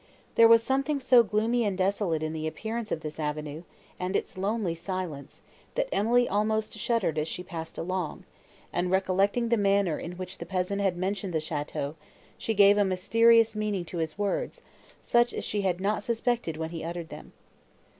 There was something so gloomy and desolate in the appearance of this avenue, and its lonely silence, that Emily almost shuddered as she passed along; and, recollecting the manner in which the peasant had mentioned the château, she gave a mysterious meaning to his words, such as she had not suspected when he uttered them.